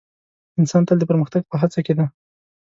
انسان تل د پرمختګ په هڅه کې دی.